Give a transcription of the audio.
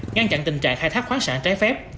ngăn chặn tình trạng khai thác khoáng sản trái phép